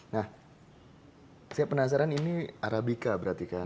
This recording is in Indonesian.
nah saya penasaran ini arabica berarti kan